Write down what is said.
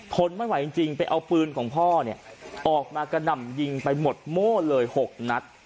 ทนไม่ไหวจริงไปเอาปืนของพ่อเนี่ยออกมากระหน่ำยิงไปหมดโม่เลย๖นัด